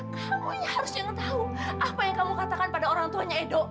kamu harus jangan tahu apa yang kamu katakan pada orang tuanya edo